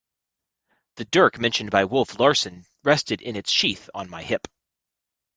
The dirk mentioned by Wolf Larsen rested in its sheath on my hip.